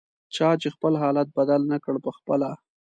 چا چې خپل حالت بدل نکړ پخپله